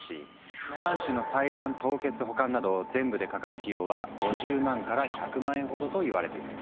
卵子の採卵凍結保管など全部でかかる費用は５０万から１００万円ほどといわれている。